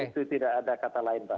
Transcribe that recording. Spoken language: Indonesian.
itu tidak ada kata lain pak